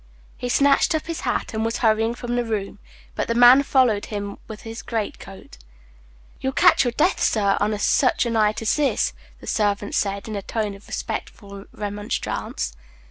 He snatched up his hat, and was hurrying from the room; but the man followed him with his great coat. "You'll catch your death, sir, on such a night as this," the servant said, in a tone of respectful remonstrance.